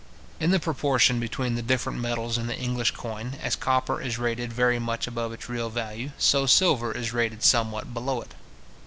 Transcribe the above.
In the proportion between the different metals in the English coin, as copper is rated very much above its real value, so silver is rated somewhat below it.